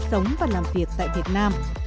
sống và làm việc tại việt nam